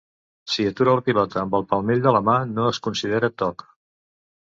Si atura la pilota amb el palmell de la mà no es considera toc.